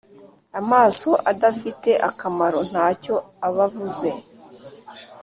amaso adafite akamoro ntacyo abavuze